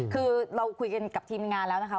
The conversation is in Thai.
คือเราคุยกันกับทีมงานแล้วนะคะ